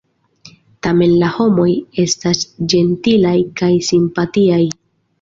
Tamen la homoj estis ĝentilaj kaj simpatiaj.